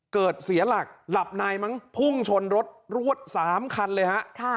เสียหลักหลับในมั้งพุ่งชนรถรวด๓คันเลยฮะ